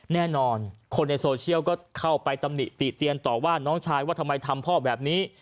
แน่นอนคนในโซเชียลก็เข้าไปตำหนิติเตียนต่อว่าน้องชายว่าทำไมทำพ่อแบบนี้